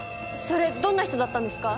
それどんな人だったんですか？